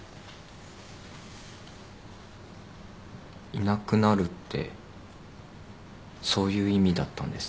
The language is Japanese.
いなくなるってそういう意味だったんですね。